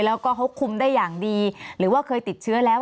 แล้วก็เขาคุมได้อย่างดีหรือว่าเคยติดเชื้อแล้ว